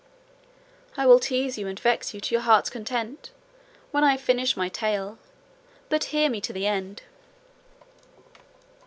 "I will tease you and vex you to your heart's content, when I have finished my tale: but hear me to the end."